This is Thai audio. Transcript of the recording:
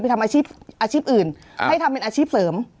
ไปทำอาชีพอื่นให้ทำเป็นอาชีพเสริม